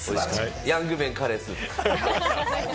ヤング麺カレースープ。